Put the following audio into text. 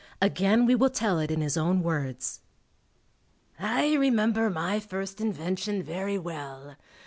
Again we will tell it in his own words. I remember my first invention very well.